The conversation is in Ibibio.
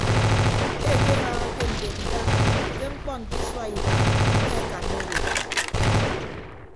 Ekebaaha ke ndopnda ke ñkpọ nte isua iba mme akanna odo.